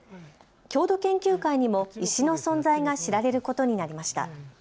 郷土研究会にも石の存在が知られることになりました。